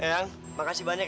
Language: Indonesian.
eang makasih banyak ya